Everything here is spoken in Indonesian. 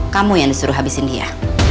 kamu yang disuruh habisin dia